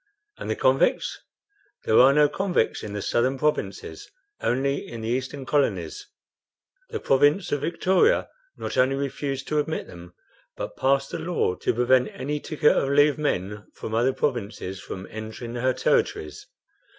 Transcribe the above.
"And the convicts?" "There are no convicts in the southern provinces, only in the eastern colonies. The province of Victoria not only refused to admit them, but passed a law to prevent any ticket of leave men from other provinces from entering her territories.